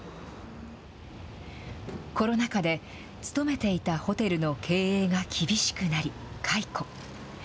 コロナ禍で、勤めていたホテルの経営が厳しくなり解雇。